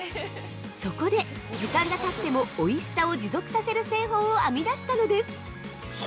そこで、時間が経ってもおいしさを持続させる製法をあみだしたのです。